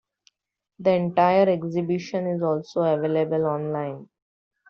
The entire exhibition is also available online.